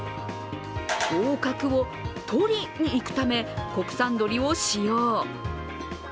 合格をとりにいくため国産鶏を使用。